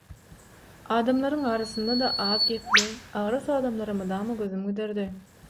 Adamlaryň arasynda-da az gepli, agras adamlara mydama gözüm giderdi.